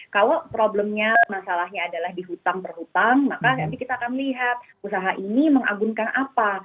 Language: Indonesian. kalau problemnya masalahnya adalah di hutang berhutang maka nanti kita akan melihat usaha ini mengagunkan apa